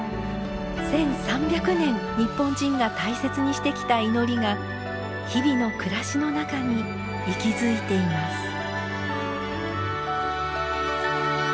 １，３００年日本人が大切にしてきた祈りが日々の暮らしの中に息づいています。